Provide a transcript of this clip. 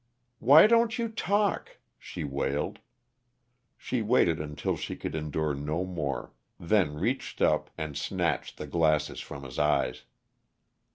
"Why don't you talk?" she wailed. She waited until she could endure no more, then reached up and snatched the glasses from his eyes.